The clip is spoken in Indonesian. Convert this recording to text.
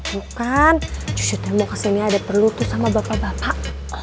bukan sudah mau kesini ada perlu tuh sama bapak bapak